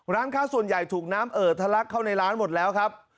ร้านค้าส่วนใหญ่ถูกน้ำเอ่อทะลักเข้าในร้านหมดแล้วครับ